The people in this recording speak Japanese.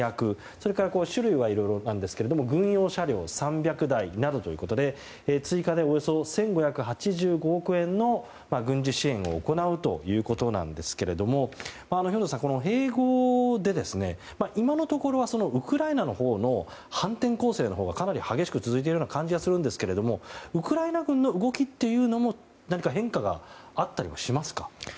それから種類はいろいろですが軍用車両３００台などということで追加でおよそ１５８５億円の軍事支援を行うということですが兵頭さん、併合で今のところはウクライナのほうの反転攻勢のほうがかなり激しく続いている感じがしますがウクライナ軍の動きというのも何か変化があったりしますか？